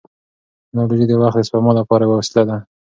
ټیکنالوژي د وخت د سپما لپاره یوه وسیله ده.